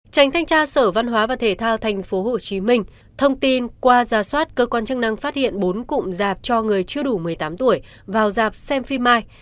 tránh thanh tra sở văn hóa và thể thao tp hcm thông tin qua giả soát cơ quan chức năng phát hiện bốn cụm giạp cho người chưa đủ một mươi tám tuổi vào dạp xem phim mai